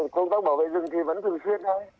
công tác bảo vệ rừng thì vẫn thường xuyên